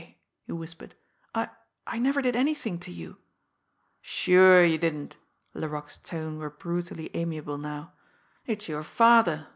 he whispered. "I I never did anything to you." "Sure, you didn't!" Laroque's tones were brutally amiable now. "It's your father.